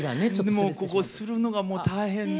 もうここするのがもう大変で。